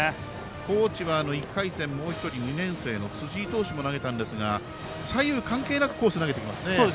高知は１回戦もう１人、２年生の辻井投手も投げたんですが左右関係なくコース投げてきますね。